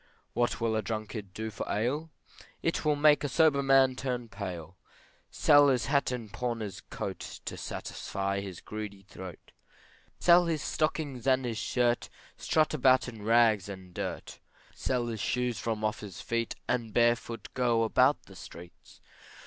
What will a drunkard do for ale? It will make a sober man turn pale, Sell his hat and pawn his coat, To satisfy his greedy throat. Sell his stockings and his shirt, Strut about in rags and dirt, Sell his shoes from off his feet, And barefoot go about the streets.